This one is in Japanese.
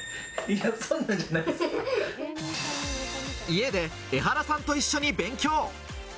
家でエハラさんと一緒に勉強。